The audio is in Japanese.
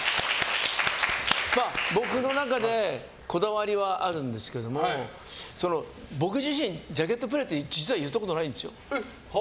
僕の中でこだわりはあるんですけれども僕自身、ジャケットプレーって実は言ったことないんですよ。